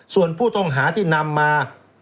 ส่วนผู้ต้องหาที่นำมา